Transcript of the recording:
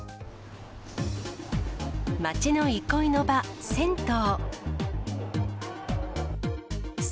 街の憩いの場、銭湯。